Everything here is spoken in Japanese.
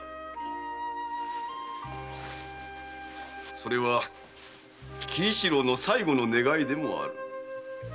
それは喜一郎の最期の願いでもある。